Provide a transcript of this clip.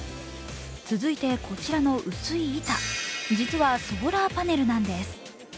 続いてこちらの薄い板実はソーラーパネルなんです。